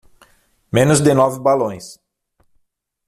Menos de nove balões